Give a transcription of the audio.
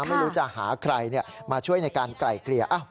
ไม่รู้จะหาใครมาช่วยในการไกล่เกลี่ย